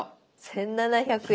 １，７００円。